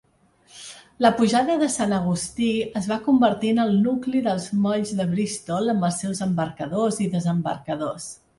La pujada de Sant Agustí es va convertir en el nucli dels molls de Bristol amb els seus embarcadors i desembarcadors.